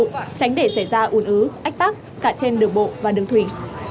tránh để xảy ra ủn ứ ách tắc cả trên đường bộ và đường thủy